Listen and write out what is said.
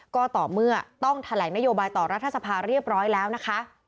ก็ต่อเมื่อต้องแถลงนโยบายต่อรัฐสภาเรียบร้อยแล้วนะคะ